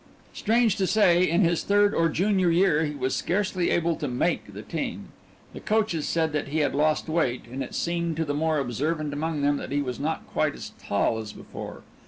Strange to say, in his third or junior year he was scarcely able to "make" the team. The coaches said that he had lost weight, and it seemed to the more observant among them that he was not quite as tall as before.